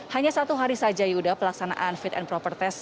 hanya satu hari saja yuda pelaksanaan fit and proper test